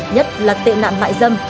nhất là tệ nạn mại dâm